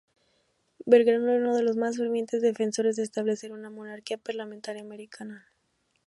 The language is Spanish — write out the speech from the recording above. Belgrano era uno de los más fervientes defensores de establecer una monarquía parlamentaria americana.